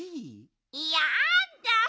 やだ。